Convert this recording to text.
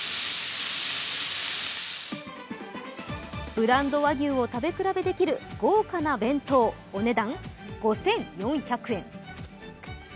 ブランド和牛を食べ比べできる豪華な弁当、お値段５４００円。